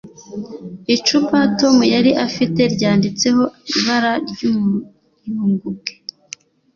Icupa Tom yari afite ryanditseho ibara ry'umuyugubwe.